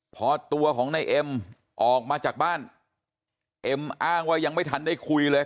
พอตัวของนายเอ็มออกมาจากบ้านเอ็มอ้างว่ายังไม่ทันได้คุยเลย